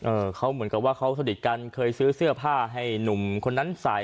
เขาเหมือนกับว่าเขาสนิทกันเคยซื้อเสื้อผ้าให้หนุ่มคนนั้นใส่